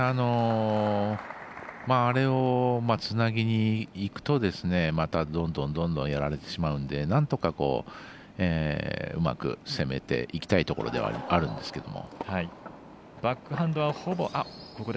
あれをつなぎにいくとまたどんどん、どんどんやられてしまうのでなんとか、うまく攻めていきたいところではあるんですけれども。